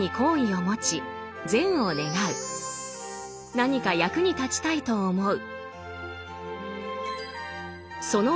何か役に立ちたいと思う。